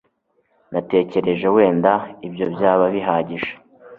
Natekereje wenda ibyo byaba bihagije